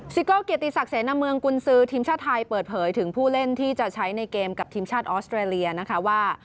โก้เกียรติศักดิเสนาเมืองกุญซือทีมชาติไทยเปิดเผยถึงผู้เล่นที่จะใช้ในเกมกับทีมชาติออสเตรเลียนะคะว่า